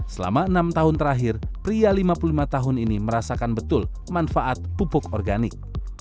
selama enam tahun terakhir pria lima puluh lima tahun ini merasakan betul manfaat pupuk organik